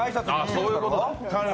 そういうことね。